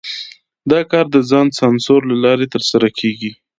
دا کار د ځان سانسور له لارې ترسره کېږي.